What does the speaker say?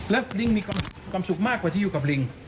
และลิงมีความสุขมากกว่าที่อยู่กับลิง